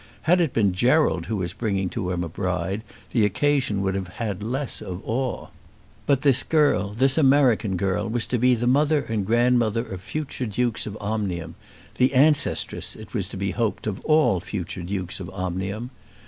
Had it been Gerald who was bringing to him a bride, the occasion would have had less of awe. But this girl, this American girl, was to be the mother and grandmother of future Dukes of Omnium, the ancestress, it was to be hoped, of all future Dukes of Omnium!